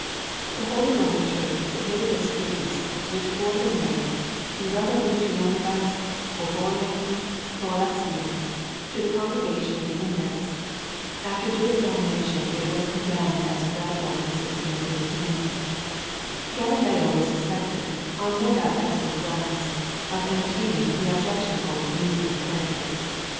The Holy Roman Church submitted this treatise, which bore the name "De Revolutionibus Orbium Coelestium," to the Congregation of the Index. After due examination it was condemned as heretical in 1615. Galileo was suspected, on no doubt excellent grounds, of entertaining the objectionable views of Copernicus.